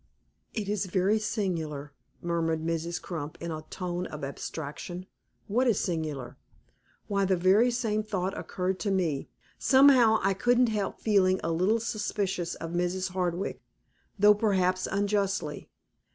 "It is very singular," murmured Mrs. Crump, in a tone of abstraction. "What is singular?" "Why, the very same thought occurred to me. Somehow, I couldn't help feeling a little suspicious of Mrs. Hardwick, though perhaps unjustly.